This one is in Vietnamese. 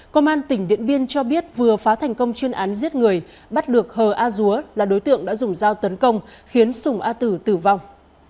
công an tỉnh điện biên cho biết vừa phá thành công chuyên án giết người bắt được hờ a dúa là đối tượng đã dùng dao tấn công khiến sùng a tử tử vong